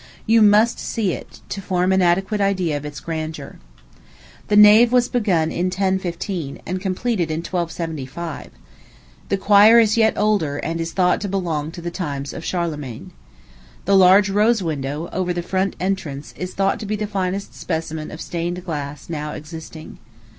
You must see it, to form an adequate idea of its grandeur. The nave was begun in 1015, and completed in 1275. The choir is yet older, and is thought to belong to the times of Charlemagne. The large rose window, over the front entrance, is thought to be the finest specimen of stained glass now existing.